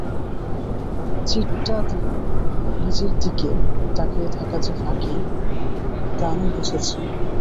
চিরটা দিন নিজের দিকে তাকিয়ে থাকা যে ফাঁকি, তা আমি বুঝেছি।